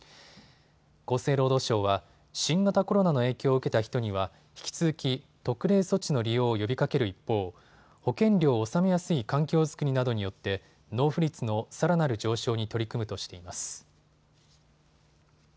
厚生労働省は新型コロナの影響を受けた人には引き続き特例措置の利用を呼びかける一方、保険料を納めやすい環境作りなどによって納付率のさらなる上昇に取り組むとしています。